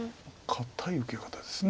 堅い受け方です。